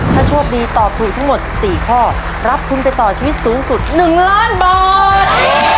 ถ้าโชคดีตอบถูกทั้งหมด๔ข้อรับทุนไปต่อชีวิตสูงสุด๑ล้านบาท